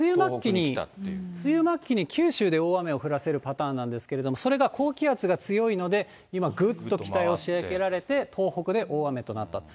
梅雨末期に九州で大雨を降らせるパターンなんですけれども、それが高気圧が強いので、今、ぐっと北へ押し上げられて、東北で大雨となったと。